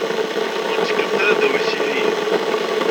Ur ttekkemt ara ddaw yisiliyen.